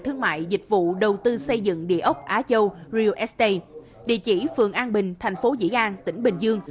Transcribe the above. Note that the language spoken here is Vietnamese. thương mại dịch vụ đầu tư xây dựng địa óc á châu địa chỉ phường an bình thành phố vĩ an tỉnh bình dương